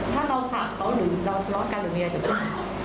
ถ้าเราถามอยากการบ่วนเมือ